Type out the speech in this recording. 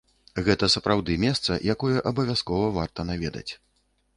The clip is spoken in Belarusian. Гэта сапраўды месца, якое абавязкова варта наведаць.